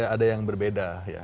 ada yang berbeda ya